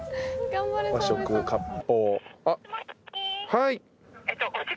はい。